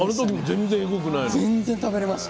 全然食べれましたね。